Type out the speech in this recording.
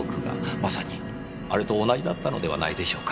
まさにあれと同じだったのではないでしょうか